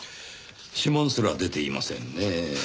指紋すら出ていませんねぇ。